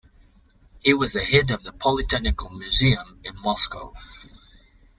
He was a head of the Poly-Technical Museum in Moscow.